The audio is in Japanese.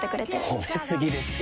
褒め過ぎですよ。